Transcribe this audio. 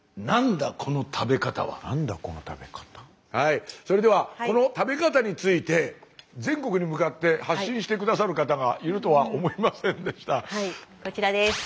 はいそれではこの「食べ方」について全国に向かって発信して下さる方がいるとは思いませんでした。